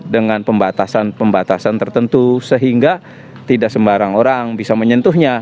dengan pembatasan pembatasan tertentu sehingga tidak sembarang orang bisa menyentuhnya